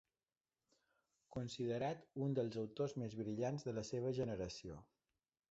Considerat un dels autors més brillants de la seva generació.